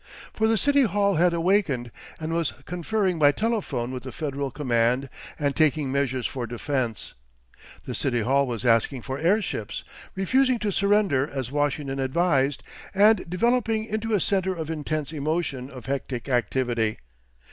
For the City Hall had awakened and was conferring by telephone with the Federal command and taking measures for defence. The City Hall was asking for airships, refusing to surrender as Washington advised, and developing into a centre of intense emotion, of hectic activity.